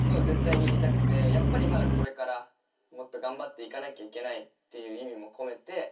絶対に入れたくてやっぱりまだこれからもっと頑張っていかなきゃいけないっていう意味も込めて。